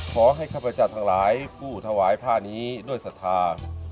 ขอให้ข้าพเจ้าทางหลายผู้ถวายผ้านี้ด้วยสัทธา